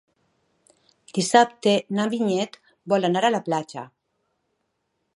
Dissabte na Vinyet vol anar a la platja.